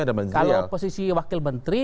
ada menjelial kalau posisi wakil menteri